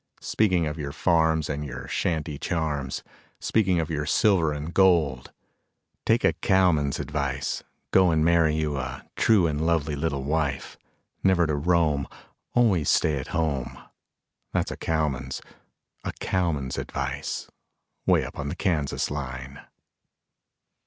Speaking of your farms and your shanty charms, Speaking of your silver and gold, Take a cowman's advice, go and marry you a true and lovely little wife, Never to roam, always stay at home; That's a cowman's, a cowman's advice, Way up on the Kansas line.